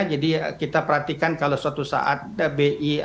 jadi kita perhatikan kalau suatu saat bi akan akomodatif